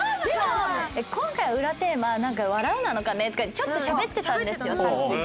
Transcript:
「今回裏テーマ“笑う”なのかね」とかちょっとしゃべってたんですよさっき。